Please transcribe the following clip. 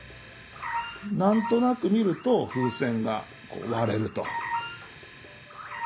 何となく見ると風船が割れると。